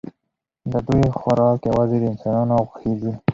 د دوی خوراک یوازې د انسانانو غوښې دي.